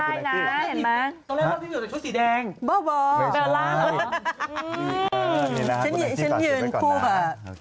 เกมสิแล้วพี่อ๊อฟ